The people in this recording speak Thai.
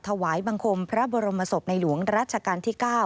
ถวายบังคมพระบรมศพในหลวงรัชกาลที่๙